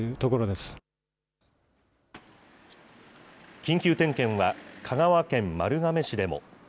緊急点検は、香川県丸亀市でも。